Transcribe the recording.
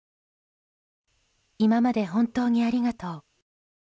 今まで本当にありがとう。